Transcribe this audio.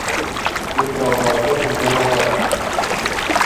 УТРАУҘАҒЫ МАЖАРАЛАР